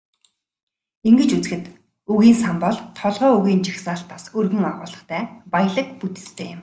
Ингэж үзэхэд, үгийн сан бол толгой үгийн жагсаалтаас өргөн агуулгатай, баялаг бүтэцтэй юм.